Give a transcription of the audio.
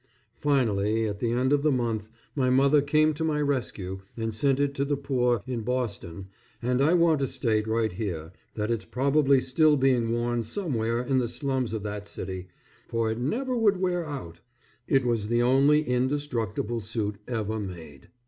Finally, at the end of the month, my mother came to my rescue and sent it to the poor in Boston and I want to state right here that it's probably still being worn somewhere in the slums of that city, for it never would wear out. It was the only indestructible suit ever made.